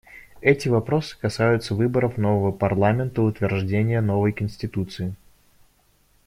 Эти вопросы касаются выборов нового парламента и утверждения новой конституции.